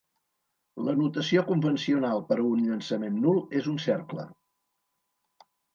La notació convencional per a un llançament nul és un cercle.